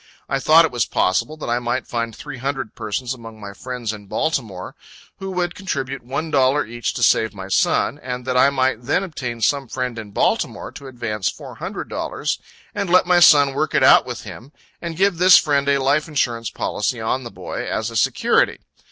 I thought it was possible, that I might find three hundred persons among my friends in Baltimore, who would contribute one dollar each to save my son, and that I might then obtain some friend in Baltimore to advance four hundred dollars, and let my son work it out with him: and give this friend a life insurance policy on the boy, as a security.